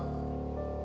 saya juga tidak tau